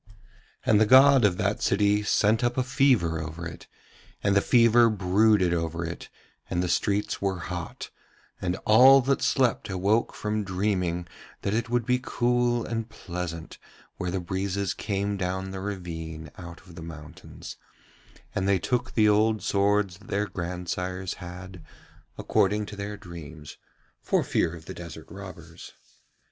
And the god of that city sent up a fever over it, and the fever brooded over it and the streets were hot; and all that slept awoke from dreaming that it would be cool and pleasant where the breezes came down the ravine out of the mountains; and they took the old swords that their grandsires had, according to their dreams, for fear of the desert robbers.